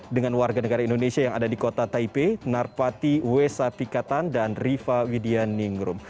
dengan warga negara indonesia yang ada di kota taipei narpati wesa pikatan dan riva widya ningrum